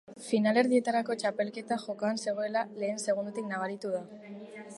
Finalerdietarako txartela jokoan zegoela lehen segundotik nabaritu da.